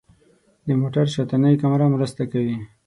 د موټر شاتنۍ کامره مرسته کوي.